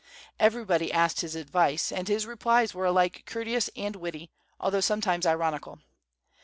Everybody asked his advice, and his replies were alike courteous and witty, although sometimes ironical.